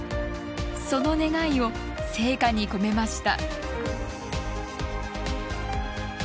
その願いを聖火に込めました。